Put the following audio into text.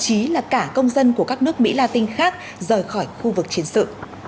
chí là cả công dân của các nước mỹ la tinh khác rời khỏi khu vực chiến sự